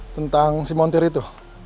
tentang si montir itu